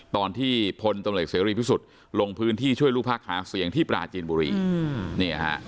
ตอนที่พลตำรวจเสรีพิสุทธิ์ลงพื้นที่ช่วยลูกพักหาเสียงที่ปราจีนบุรี